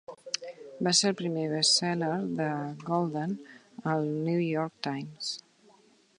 Va ser el primer best-seller de Golden al New York Times.